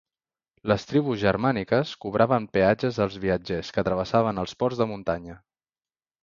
Les tribus germàniques cobraven peatges als viatgers que travessaven els ports de muntanya.